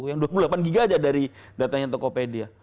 yang dua puluh delapan giga aja dari datanya tokopedia